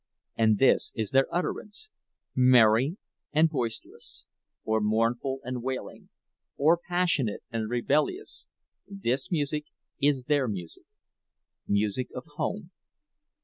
And this is their utterance; merry and boisterous, or mournful and wailing, or passionate and rebellious, this music is their music, music of home.